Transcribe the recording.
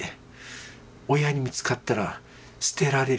親に見つかったら捨てられる。